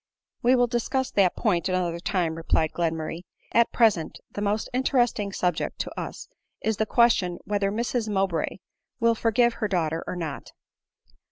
" We will discuss that point another time," replied Glenmurray ;" at present the most interesting subject to us is the question whether Mrs Mowbray will forgive her daughter or not